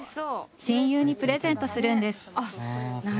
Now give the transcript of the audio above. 親友にプレゼントするんです。